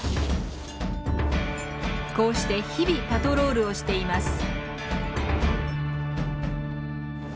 こうして日々パトロールをしています。